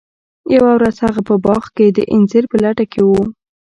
یوه ورځ هغه په باغ کې د انځر په لټه کې و.